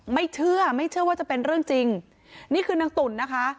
ไม่เชื่อไม่เชื่อว่าจะเป็นเรื่องจริงนี่คือนางตุ๋นนะคะ